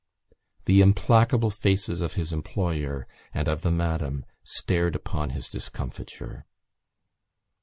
The implacable faces of his employer and of the Madam stared upon his discomfiture.